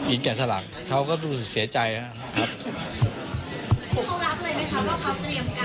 อินแก่สลักเขาก็รู้เสียใจครับ